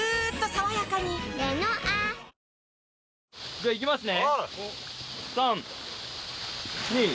じゃあ行きますね。